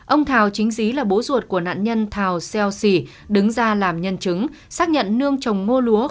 ông thào chính dí là bố ruột của nạn nhân thào xeo sì đứng ra làm nhân chứng xác nhận nương trồng ngô lúa